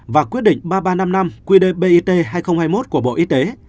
và quyết định ba nghìn ba trăm năm mươi năm qd bit hai nghìn hai mươi một của bộ y tế